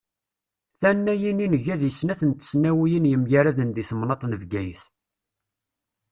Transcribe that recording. Tannayin i nga deg snat n tesnawiyin yemgaraden deg temnaḍt n Bgayet.